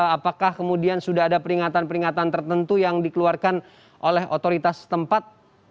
apakah kemudian sudah ada peringatan peringatan tertentu yang dikeluarkan oleh otoritas tempat